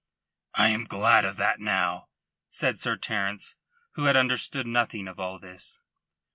"I am glad of that now," said Sir Terence, who had understood nothing of all this.